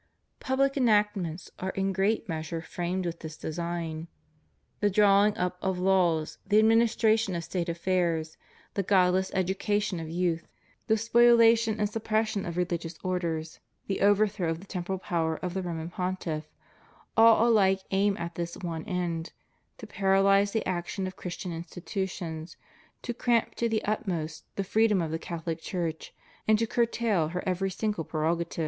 PubUc enactments are in great measure framed with this design. The drawing up of laws, the administration of State affairs, the godless education of youth, the spohation and suppression of religious orders, the overthrow of the temporal power of the Roman Pontiff, all alike aim at this one end — to paralyze the action of Christian institutions, to cramp to the utmost th freedom of the Catholic Church, and to curtail "her every single prerogative.